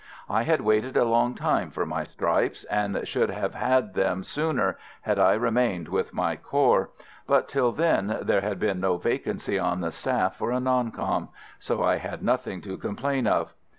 I had waited a long time for my stripes, and should have had them sooner had I remained with my corps; but till then there had been no vacancy on the staff for a "non com," so I had nothing to complain of.